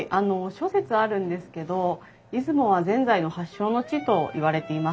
諸説あるんですけど出雲はぜんざいの発祥の地といわれています。